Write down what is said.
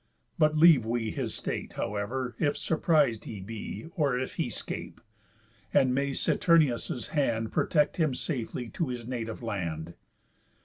But leave we His state, however, if surpris'd he be, Or if he scape. And may Saturnius' hand Protect him safely to his native land.